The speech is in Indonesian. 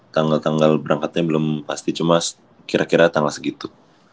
tanggal tanggal berangkatnya belum pasti cuma kira kira tanggal segitu